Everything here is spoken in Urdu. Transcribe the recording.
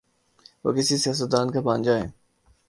وہ کسی سیاست دان کا بھانجا ہے۔